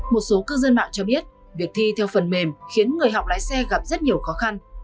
một số cư dân mạng cho biết việc thi theo phần mềm khiến người học lái xe gặp rất nhiều khó khăn